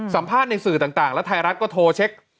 สัมภาษณ์ในสื่อต่างแล้วไทยรัฐก็โทรเช็ค